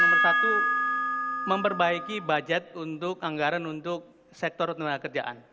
nomor satu memperbaiki budget untuk anggaran untuk sektor tenaga kerjaan